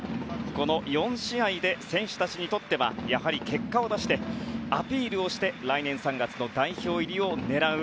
この４試合で選手たちにとっては結果を出してアピールをして来年３月の代表入りを狙う。